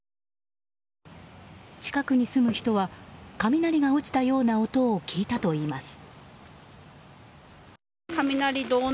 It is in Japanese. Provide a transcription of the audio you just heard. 近くに住む人は雷が落ちたような音を聞いたといいます。